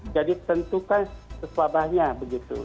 jadi tentukan sesuabahnya begitu